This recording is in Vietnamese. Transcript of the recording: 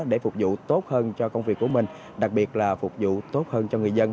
để phục vụ tốt hơn cho công việc của mình đặc biệt là phục vụ tốt hơn cho người dân